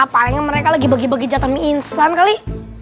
palingnya mereka lagi bagi bagi jatah mie instan kali